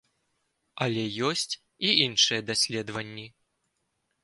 Але ёсць і іншыя даследаванні.